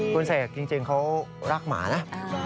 พรุ่งเศสอย่างรักหมานะ